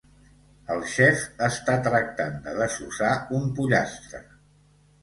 El xef està tractant de desossar un pollastre